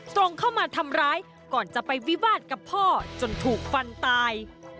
ตรงเข้ามาทำร้ายก่อนจะไปวิวาสกับพ่อจนถูกฟันตาย